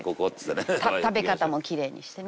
食べ方もきれいにしてね。